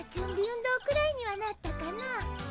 運動くらいにはなったかの。